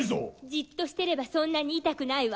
じっとしてればそんなに痛くないわ！